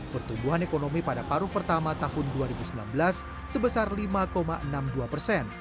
pertumbuhan ekonomi pada paruh pertama tahun dua ribu sembilan belas sebesar lima enam puluh dua persen